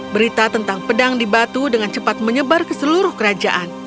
berita tentang pedang di batu dengan cepat menyebar ke seluruh kerajaan